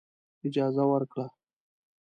اجازه ورکړه.